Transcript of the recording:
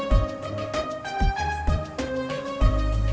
saya sebentar lagi sampe